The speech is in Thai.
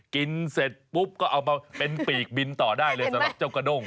เสร็จปุ๊บก็เอามาเป็นปีกบินต่อได้เลยสำหรับเจ้ากระด้ง